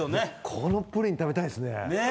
このプリン食べたいですねねえ